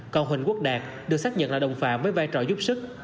cầu huỳnh quốc đạt được xác nhận là đồng phạm với vai trò giúp sức